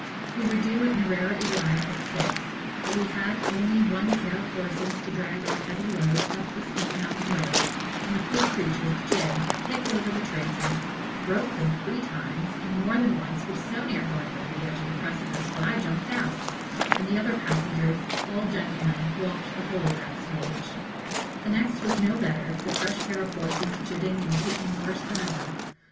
We were due at Neuera ellia at six, but we had only one pair of horses to drag our heavy load up the steep mountain road, and the poor creatures jibbed, kicked over the traces, broke them three times, and more than once were so near going over the edge of the precipice that I jumped out, and the other passengers, all gentlemen, walked the whole of that stage. The next was no better, the fresh pair of horses jibbing and kicking worse than ever.